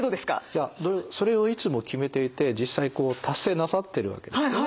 いやそれをいつも決めていて実際こう達成なさってるわけですよね。